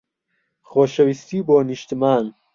خۆشەویستی بۆ نیشتمان.